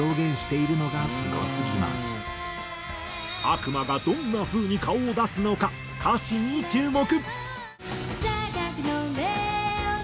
悪魔がどんな風に顔を出すのか歌詞に注目。